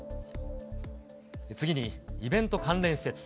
次にイベント関連施設。